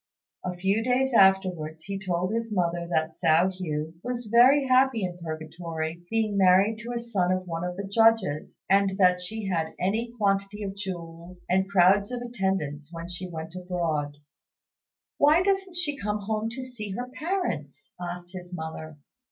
A few days afterwards he told his mother that Hsiao hui was very happy in Purgatory, being married to a son of one of the Judges; and that she had any quantity of jewels, and crowds of attendants when she went abroad. "Why doesn't she come home to see her parents?" asked his mother.